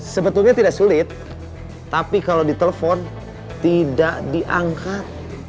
sebetulnya tidak sulit tapi kalau ditelepon tidak diangkat